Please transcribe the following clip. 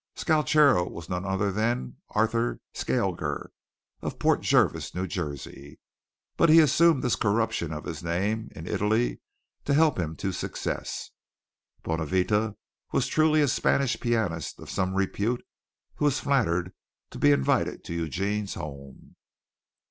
Scalchero was none other than Arthur Skalger, of Port Jervis, New Jersey, but he assumed this corruption of his name in Italy to help him to success. Bonavita was truly a Spanish pianist of some repute who was flattered to be invited to Eugene's home.